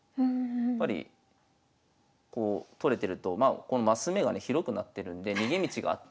やっぱりこう取れてると升目がね広くなってるんで逃げ道があったりとか